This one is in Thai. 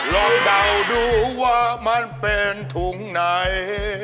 เดาดูว่ามันเป็นถุงไหน